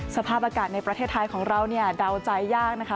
สภาพอากาศในประเทศไทยของเราเนี่ยเดาใจยากนะคะ